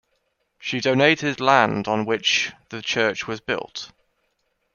She donated the land on which the church was built.